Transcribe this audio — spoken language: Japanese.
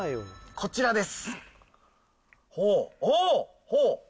こちらです。